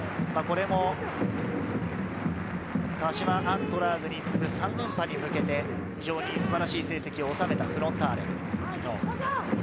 これも鹿島アントラーズに次ぐ３連覇に向けて、非常に素晴らしい成績を収めたフロンターレ。